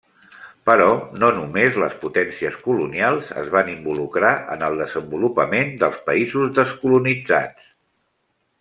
Però no només les potències colonials es van involucrar en el desenvolupament dels països descolonitzats.